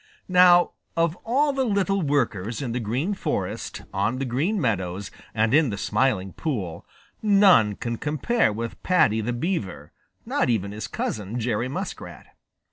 Now of all the little workers in the Green Forest, on the Green Meadows, and in the Smiling Pool, none can compare with Paddy the Beaver, not even his cousin, Jerry Muskrat.